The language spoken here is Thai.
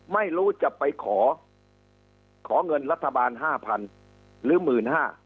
ไม่รู้จะไปขอเงินรัฐบาลห้าพันหรือหมื่นห้า